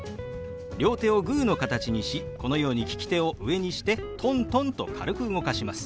両手をグーの形にしこのように利き手を上にしてトントンと軽く動かします。